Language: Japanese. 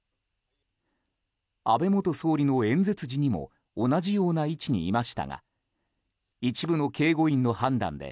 安倍元総理の演説時にも同じような位置にいましたが一部の警護員の判断で